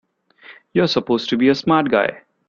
You're supposed to be a smart guy!